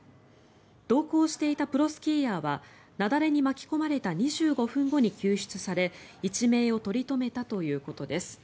同行していたプロスキーヤーは雪崩に巻き込まれた２５分後に救出され一命を取り留めたということです。